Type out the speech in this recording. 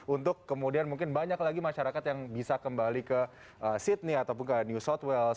untuk kemudian mungkin banyak lagi masyarakat yang bisa kembali ke sydney ataupun ke new south wales